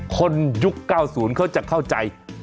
ยุค๙๐เขาจะเข้าใจ